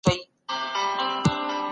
شراب پلورل کیږي.